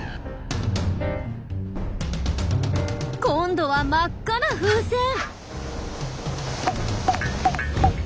今度は真っ赤な風船！